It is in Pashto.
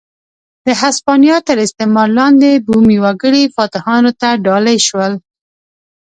د هسپانیا تر استعمار لاندې بومي وګړي فاتحانو ته ډالۍ شول.